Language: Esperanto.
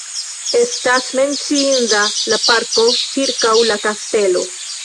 Estas menciinda la parko ĉirkaŭ la kastelo.